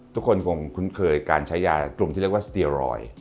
ทุกคนคงคุ้นเคยการใช้ยากลุ่มที่เรียกว่าสเตียรอยด์